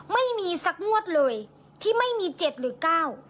ไม่มีสักงวดเลยที่ไม่มี๗หรือ๙